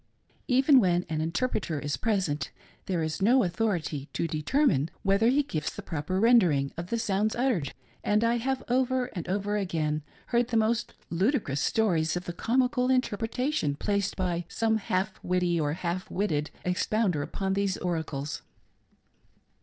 Even when an interpreter is present, there is no authority to determine whether he gives the proper rendering of the sounds uttered, and I have over and over again heard the most ludicrous stories of the comical interpretation placed by some half witty or half witted expounder upon these oracles.